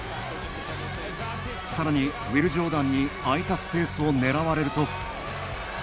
さらに、ウィル・ジョーダンに空いたスペースを狙われると。